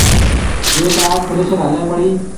جيٿ آج ٿريشر هليَ پڙِي۔